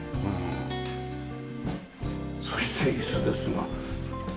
そして椅子ですがこれ？